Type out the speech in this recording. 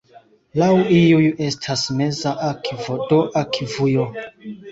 Laŭ iuj estas "meza akvo", do akvujo.